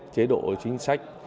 chế độ chính sách